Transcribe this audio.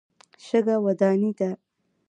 شګه وداني ده.